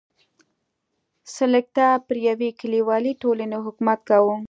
سلکتا پر یوې کلیوالې ټولنې حکومت کاوه.